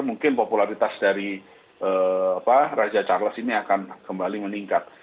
mungkin popularitas dari raja charles ini akan kembali meningkat